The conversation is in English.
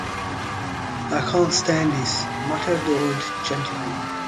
"I can't stand this," muttered the old gentleman.